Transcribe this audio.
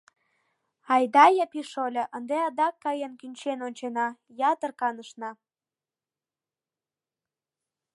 Айда, Япи шольо, ынде адак каен кӱнчен ончена: ятыр канышна.